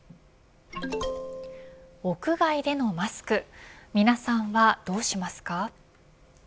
屋外でのマスク皆さんはどうしますか。